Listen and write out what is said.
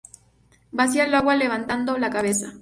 Vacían el agua levantando la cabeza.